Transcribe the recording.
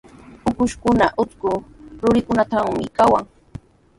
Ukushkuna utrku rurinkunatrawmi kawan.